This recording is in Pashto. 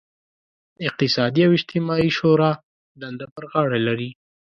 اقتصادي او اجتماعي شورا دنده پر غاړه لري.